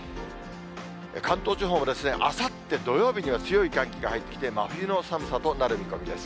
関東地方もあさって土曜日には強い寒気が入ってきて、真冬の寒さとなる見込みです。